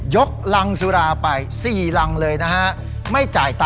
ยกรังสุราไป๔รังเลยนะฮะไม่จ่ายตำครับ